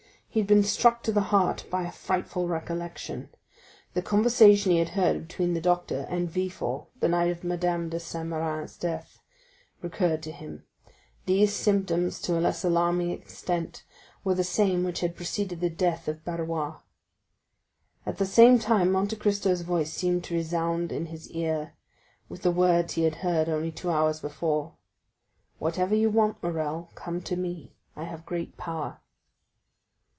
He had been struck to the heart by a frightful recollection—the conversation he had heard between the doctor and Villefort the night of Madame de Saint Méran's death, recurred to him; these symptoms, to a less alarming extent, were the same which had preceded the death of Barrois. At the same time Monte Cristo's voice seemed to resound in his ear with the words he had heard only two hours before, "Whatever you want, Morrel, come to me; I have great power."